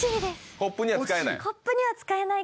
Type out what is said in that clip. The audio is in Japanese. コップには使えない。